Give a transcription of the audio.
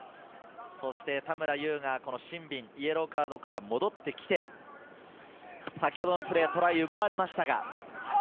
田村優がシンビンから戻ってきて、先ほどのプレーではトライを奪われました。